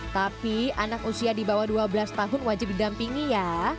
tapi anak usia di bawah dua belas tahun wajib didampingi ya